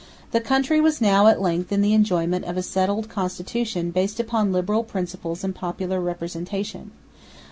The country was now at length in the enjoyment of a settled constitution based upon liberal principles and popular representation.